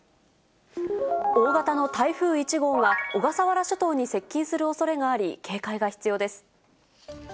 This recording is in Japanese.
大型の台風１号は、小笠原諸島に接近するおそれがあり、警戒が必要です。